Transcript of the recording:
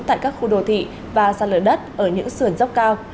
tại các khu đồ thị và xa lở đất ở những sườn dốc cao